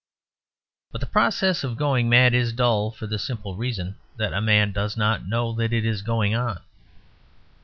But the process of going mad is dull, for the simple reason that a man does not know that it is going on.